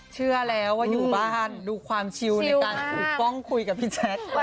เชื่อแล้วว่าอยู่บ้านดูความชิวในการปกป้องคุยกับพี่แจ๊ค